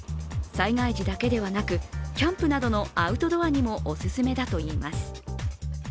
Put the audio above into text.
災害時だけではなくキャンプなどのアウトドアにもお勧めだといいます。